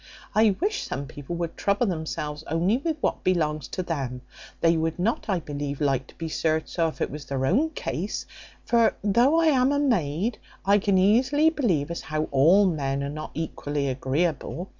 I wish some people would trouble themselves only with what belongs to them; they would not, I believe, like to be served so, if it was their own case; for though I am a maid, I can easily believe as how all men are not equally agreeable.